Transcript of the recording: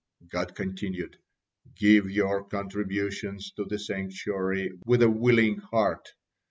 '" God continued: "Give your contributions to the sanctuary with a willing heart.